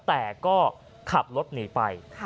แต่ก็ขับรถหนีไป